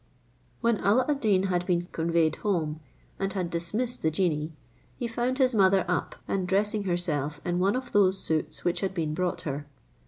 When Alla ad Deen had been conveyed home, and had dismissed the genie, he found his mother up, and dressing herself in one of those suits which had been brought her.